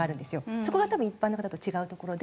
そこが多分一般の方と違うところで。